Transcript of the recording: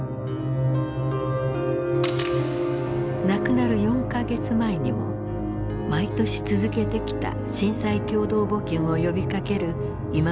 亡くなる４か月前にも毎年続けてきた震災共同募金を呼びかける今村の姿があった。